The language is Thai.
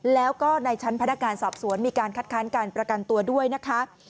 แล้วก็ในชั้นพนักงานสอบสวนมีการคัดค้านการประกันตัวด้วยนะคะ